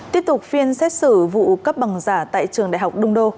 tiếp tục phiên xét xử vụ cấp bằng giả tại trường đại học đông đô